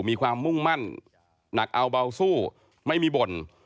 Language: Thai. มีความมุ่งมั่นหนักเอาเบาสู้ไม่มีบ่น